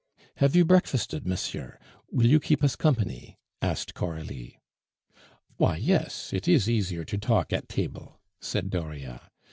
"Have you breakfasted, monsieur; will you keep us company?" asked Coralie. "Why, yes; it is easier to talk at table," said Dauriat.